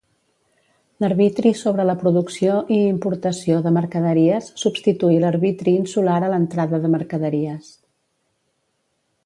L'Arbitri sobre la Producció i Importació de Mercaderies substituí l'Arbitri Insular a l'Entrada de Mercaderies.